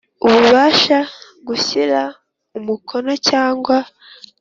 Ububasha gushyira umukono cyangwa